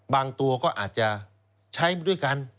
บางตัวก็อาจจะใช้มาด้วยกัน